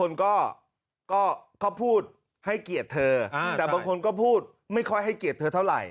รู้เห็นภาพนี้แล้วก็ดีใจกับเธอด้วย